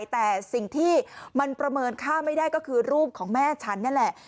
แต่สิ่งที่มันประเมินค่าไม่ได้ก็คือรูปของแม่ฉันนั่นแหละ